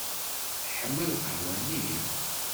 Teḥma lqahwa-nni?